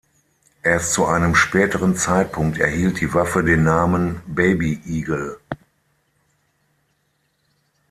Erst zu einem späteren Zeitpunkt erhielt die Waffe den Namen „Baby Eagle“.